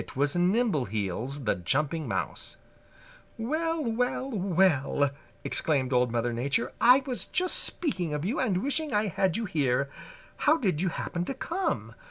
It was Nimbleheels the Jumping Mouse. "Well, well, well," exclaimed Old Mother Nature. "I was just speaking of you and wishing I had you here. How did you happen to come?